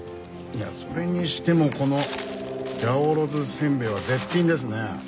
いやそれにしてもこの八百万せんべいは絶品ですね。